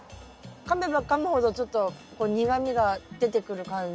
かめばかむほどちょっと苦みが出てくる感じ？